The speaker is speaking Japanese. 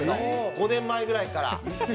「５年前ぐらいから」